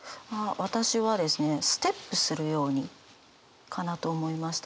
私はですねステップするようにかなと思いました。